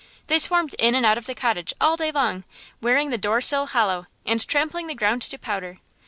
They swarmed in and out of the cottage all day long, wearing the door sill hollow, and trampling the ground to powder.